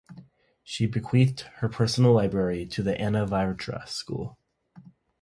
She bequeathed her personal library to the Anavryta School.